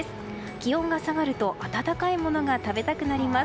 気温が下がると温かいものが食べたくなります。